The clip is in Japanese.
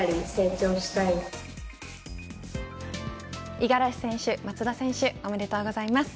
五十嵐選手、松田選手おめでとうございます。